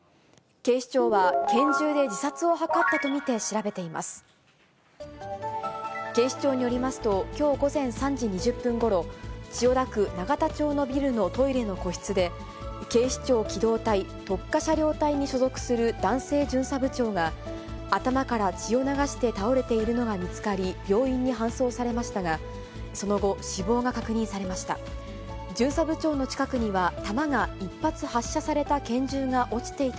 警視庁によりますときょう午前３時２０分ごろ、千代田区永田町のビルのトイレの個室で、警視庁機動隊特科車両隊に所属する男性巡査部長が、頭から血を流して倒れているのが見つかり、病院に搬送されましたが、その後、死亡が確認されました。